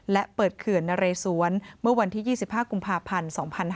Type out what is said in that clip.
และเปิดเขื่อนนะเรสวนเมื่อวันที่๒๕กุมภาพันธ์๒๕๕๙